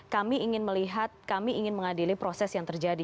kami ingin melihat kami ingin mengadili proses yang terjadi